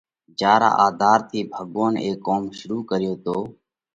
جيا را آڌار ٿِي ڀڳوونَ اي ڪوم شرُوع ڪريو تو۔